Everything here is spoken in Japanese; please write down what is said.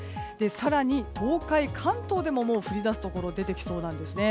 更に東海、関東でも降り出すところ出てきそうです。